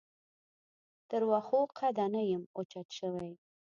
تر واښو قده نه یم اوچت شوی.